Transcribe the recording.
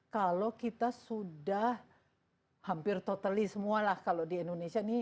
kalau kita sudah hampir totally semua lah kalau di indonesia ini